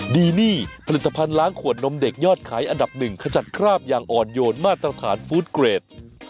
ดีนี่ผลิตภัณฑ์ล้างขวดนมเด็กยอดขายอันดับหนึ่งขจัดคราบอย่างอ่อนโยนมาตรฐานฟู้ดเกรด